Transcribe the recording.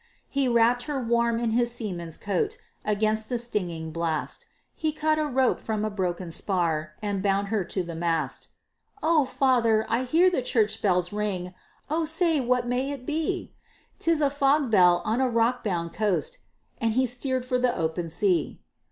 He wrapped her warm in his seaman's coat Against the stinging blast; He cut a rope from a broken spar, And bound her to the mast. "O father! I hear the church bells ring, O say, what may it be?" "'Tis a fog bell on a rock bound coast!" And he steered for the open sea.